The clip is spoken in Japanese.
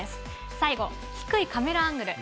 最後は低いカメラアングル。